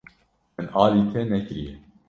Min alî te nekiriye.